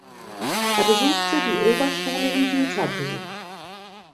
Er besuchte die Oberschule in Jüterbog.